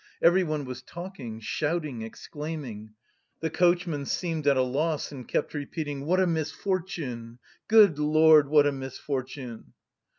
Everyone was talking, shouting, exclaiming; the coachman seemed at a loss and kept repeating: "What a misfortune! Good Lord, what a misfortune!"